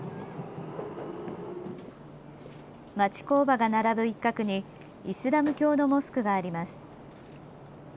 町工場が並ぶ一角にイスラム教のモスクがあります。